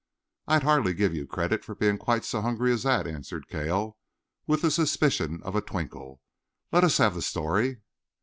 "I'd hardly give you credit for being quite so hungry as that," answered Cale with the suspicion of a twinkle. "Let us have the story."